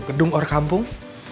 gedung or kampung